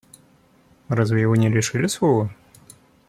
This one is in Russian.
Разве его не лишили слова?